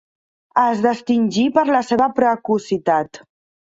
Es distingí per la seva precocitat.